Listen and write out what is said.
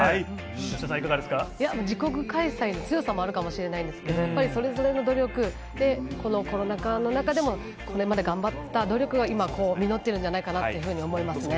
自国開催の強さもあるかもしれないですが、それぞれの努力でこのコロナ禍の中でこれまで頑張った努力が今、実っているんじゃないかなと思います。